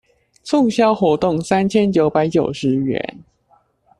促銷活動三千九百九十元